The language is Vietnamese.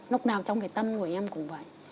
lúc nào trong cái tâm của em cũng vậy